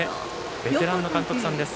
ベテランの監督さんです。